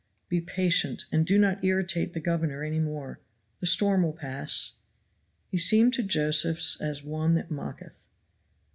"Be patient, and do not irritate the governor any more the storm will pass." He seemed to Josephs as one that mocketh.